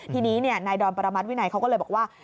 ทีนี้นายดอนประมัติวินัยเขาก็เลยบอกว่า